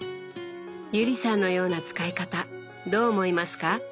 友里さんのような使い方どう思いますか？